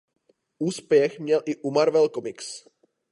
Úspěch měl i u Marvel Comics.